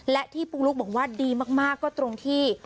และที่ปุ๊กลุ๊กบอกว่าดีมากก็ตรงที่